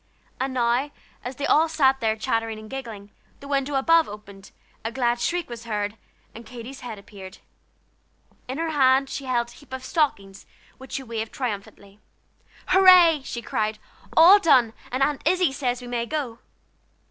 And now, as they all sat there chattering and giggling, the window above opened, a glad shriek was heard, and Katy's head appeared. In her hand she held a heap of stockings, which she waved triumphantly. "Hurray!" she cried, "all done, and Aunt Izzie says we may go.